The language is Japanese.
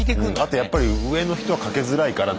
やっぱり上の人はかけづらいからね。